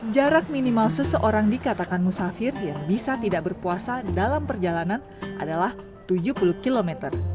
jarak minimal seseorang dikatakan musafir yang bisa tidak berpuasa dalam perjalanan adalah tujuh puluh km